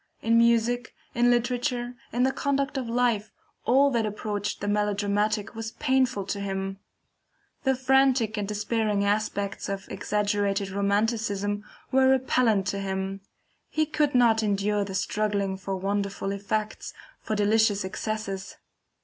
In music, in literature, in the conduct of life, all that approached the melodramatic was painful to him The frantic and despairing aspects of exaggerated romanticism were repellent to him, he could not endure the struggling for wonderful effects, for delicious excesses.